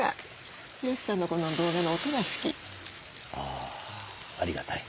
あありがたい。